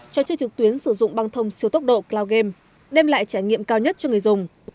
trò chơi trực tuyến sử dụng băng thông siêu tốc độ cloud game đem lại trải nghiệm cao nhất cho người dùng